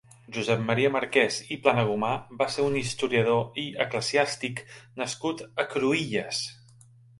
Josep Maria Marquès i Planagumà va ser un historiador i Eclesiàstic nascut a Cruïlles.